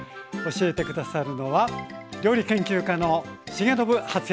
教えて下さるのは料理研究家の重信初江さんです。